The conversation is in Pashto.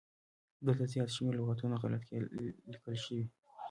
دلته زيات شمېر لغاتونه غلت ليکل شوي